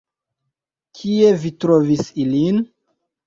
Kie vi trovis ilin?